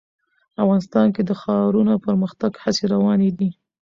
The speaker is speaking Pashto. افغانستان کې د ښارونه د پرمختګ هڅې روانې دي.